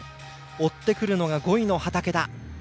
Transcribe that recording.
追ってくるのが５位の畠田。